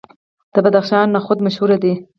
د بدخشان نخود مشهور دي.